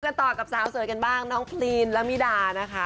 ต่อกับสาวสวยกันบ้างน้องพรีนละมิดานะคะ